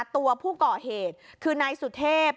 ตัวผู้ก่อเหตุคือนายสุเทพ